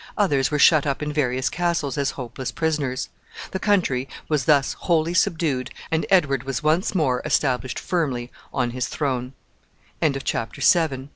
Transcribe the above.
Others were shut up in various castles as hopeless prisoners. The country was thus wholly subdued, and Edward was once more established firmly on his th